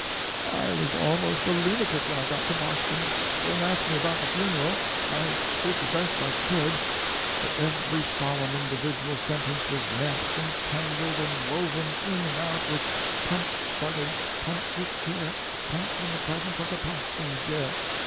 I was almost a lunatic when I got to Boston. Don't ask me about the funeral. I did the best I could, but every solemn individual sentence was meshed and tangled and woven in and out with 'Punch, brothers, punch with care, punch in the presence of the passenjare.'